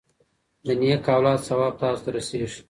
د نیک اولاد ثواب تاسو ته رسیږي.